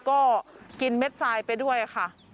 ก็กินเม็ดทรายไปด้วยค่ะ